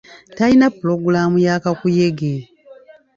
Talina pulogulaamu ya kakuyege.